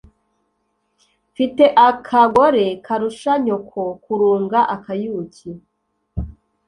Mfite akagore karusha nyoko kurunga-Akayuki.